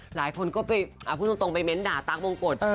หลายคนก็ไปพูดตรงไปเน้นด่าตั๊กมงกฎ